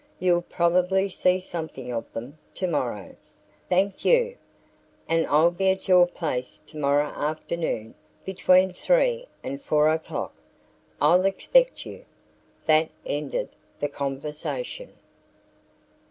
You'll probably see something of them tomorrow." "Thank you." "And I'll be at your place tomorrow afternoon between 3 and 4 o'clock." "I'll expect you." That ended the conversation.